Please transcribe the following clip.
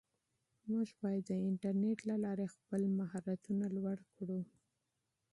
موږ باید د انټرنیټ له لارې خپل مهارتونه لوړ کړو.